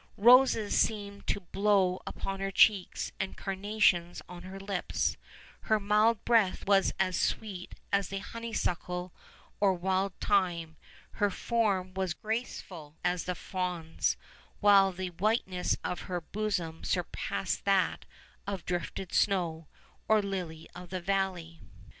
Eoses seemed to blow upon her cheeks and carnations on her lips; her mild breath was as sweet as the honeysuckle or wild thyme, her form was graceful as the faAvn's, while the whiteness of her bosom surpassed that of drifted snow, or the lily of the valley.